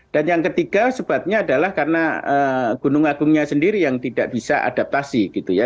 dan yang ketiga sebabnya adalah karena gunung agungnya sendiri yang tidak bisa adaptasi gitu ya